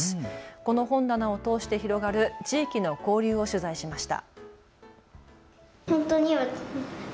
この本棚を通して広がる地域の交流を取材しました。